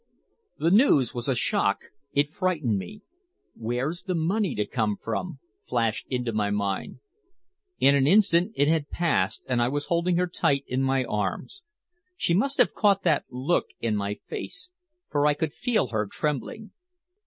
The news was a shock, it frightened me. "Where's the money to come from?" flashed into my mind. In an instant it had passed and I was holding her tight in my arms. But she must have caught that look in my face, for I could feel her trembling.